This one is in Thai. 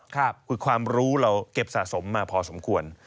คือความรู้เราเก็บสะสมมาพอสมควร